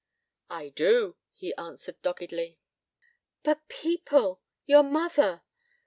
'I do,' he answered doggedly. 'But people your mother